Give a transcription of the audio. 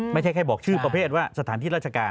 ไม่ใช่แค่บอกชื่อประเภทว่าสถานที่ราชการ